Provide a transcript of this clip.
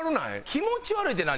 「気持ち悪い」って何？